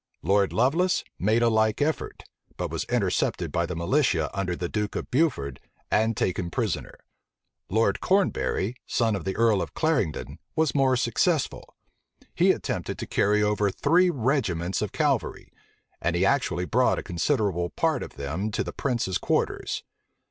Lord Lovelace made a like effort: but was intercepted by the militia under the duke of Beaufort, and taken prisoner; Lord Cornbury, son of the earl of Clarendon, was more successful. He attempted to carry over three regiments of cavalry; and he actually brought a considerable part of them to the prince's quarters.